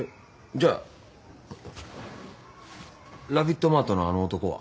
じゃあラビットマートのあの男は？